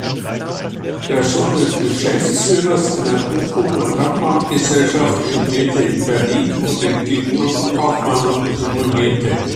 Der Sohn des Geschäftsführers einer Bochumer Trambahngesellschaft studierte in Berlin, wurde Diplomkaufmann und promovierte.